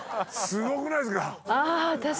すごくないですか？